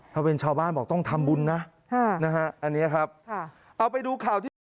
ถ้าเป็นชาวบ้านบอกต้องทำบุญนะอันนี้ครับค่ะเอาไปดูข่าวที่สอง